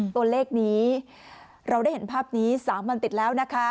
ตัวเลขนี้เราได้เห็นภาพนี้๓วันติดแล้วนะคะ